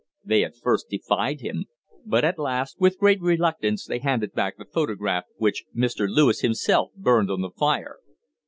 They at first defied him. But at last, with great reluctance, they handed back the photograph, which Mr. Lewis himself burned on the fire."